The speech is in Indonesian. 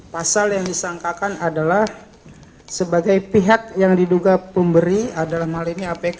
pasal yang disangkakan adalah sebagai pihak yang diduga pemberi adalah hal ini apk